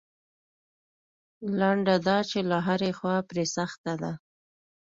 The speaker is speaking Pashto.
لنډه دا چې له هرې خوا پرې سخته ده.